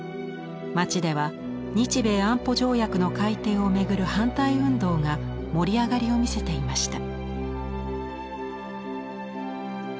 街では日米安保条約の改定を巡る反対運動が盛り上がりを見せていました。